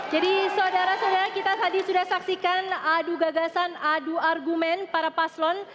jadi saudara saudara kita tadi sudah saksikan adu gagasan adu argumen para paslon